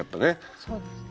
そうですね。